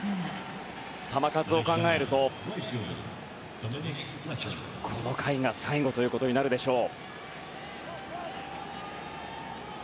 球数を考えるとこの回が最後となるでしょう。